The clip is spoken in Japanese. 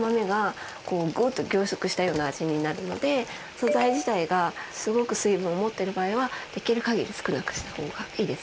素材自体がすごく水分を持ってる場合はできるかぎり少なくしたほうがいいです。